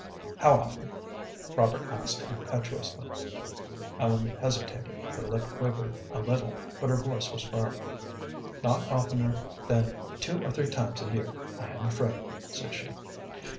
"How often?" Robert asked, impetuously. Ellen hesitated, her lip quivered a little, but her voice was firm. "Not oftener than two or three times a year, I am afraid," said she.